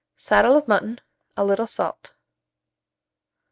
Saddle of mutton; a little salt.